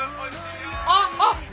あっ！